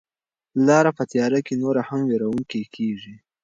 لاره په تیاره کې نوره هم وېروونکې کیږي.